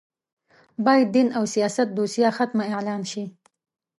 باید دین او سیاست دوسیه ختمه اعلان شي